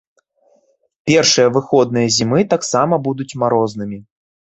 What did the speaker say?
Першыя выходныя зімы таксама будуць марознымі.